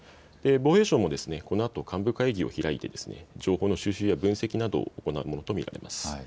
防衛省もこのあと幹部会議を開いて情報の収集や分析などを行うものと見られます。